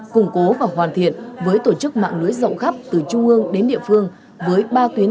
củng cố và hoàn thiện với tổ chức mạng lưới rộng khắp từ trung ương đến địa phương với ba tuyến